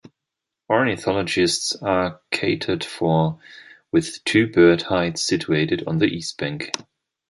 Ornithologists are catered for with two bird hides situated on the east bank.